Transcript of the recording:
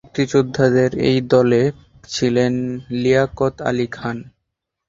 মুক্তিযোদ্ধাদের এই দলে ছিলেন লিয়াকত আলী খান।